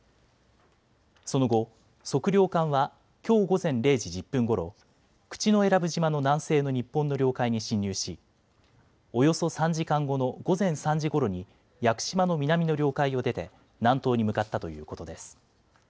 その後、測量艦はきょう午前０時１０分ごろ、口永良部島の南西の日本の領海に侵入しおよそ３時間後の午前３時ごろに屋久島の南の領海を出て南東に向かったということです。